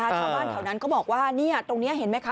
ชาวบ้านแถวนั้นก็บอกว่าตรงนี้เห็นไหมคะ